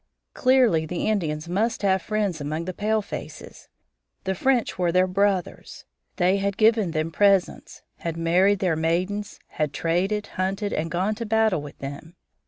Clearly the Indians must have friends among the palefaces. The French were their "brothers." They had given them presents, had married their maidens, had traded, hunted, and gone to battle with them.